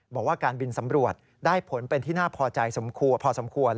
บอกว่าการบินสำรวจได้ผลเป็นที่น่าพอใจสมควรพอสมควร